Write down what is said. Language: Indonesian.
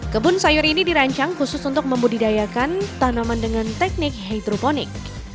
kebun sayur ini dirancang khusus untuk membudidayakan tanaman dengan teknik hidroponik